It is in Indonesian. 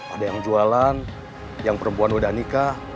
ada yang jualan yang perempuan udah nikah